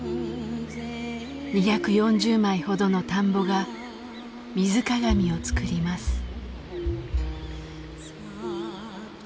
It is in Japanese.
２４０枚ほどの田んぼが水鏡を作ります。